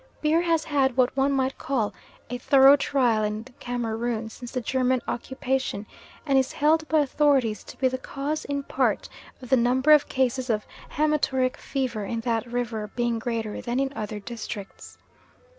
Beer has had what one might call a thorough trial in Cameroon since the German occupation and is held by authorities to be the cause in part of the number of cases of haematuric fever in that river being greater than in other districts.